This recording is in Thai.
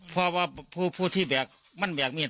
ครับอยู่ผู้เดี่ยว